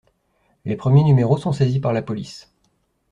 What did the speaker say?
Les premiers numéros sont saisis par la police.